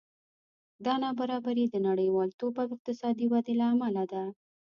دا نابرابري د نړیوالتوب او اقتصادي ودې له امله ده